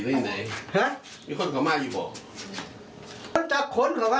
หึเปล่า